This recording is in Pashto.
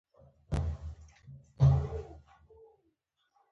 لرګی د ونې له تنه جوړېږي.